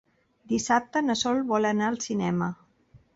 Dissabte na Sol vol anar al cinema.